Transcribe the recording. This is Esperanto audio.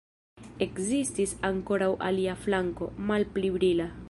Ekzistis ankoraŭ alia flanko, malpli brila.